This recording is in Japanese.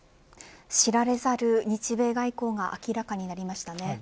知られざる日米外交が明らかになりましたね。